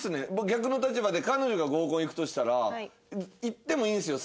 逆の立場で彼女が合コン行くとしたら行ってもいいんですよ